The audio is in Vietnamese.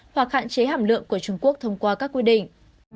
hoặc hạn chế hàm lượng của trung quốc thông qua các quy định